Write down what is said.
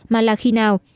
mà là khi nào